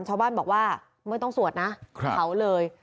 ชาวบ้านบอกว่าไม่ต้องสวดนะเผาเลย